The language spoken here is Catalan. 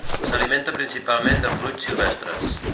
S'alimenta principalment de fruits silvestres.